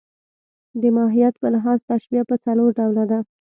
د ماهیت په لحاظ تشبیه پر څلور ډوله ده.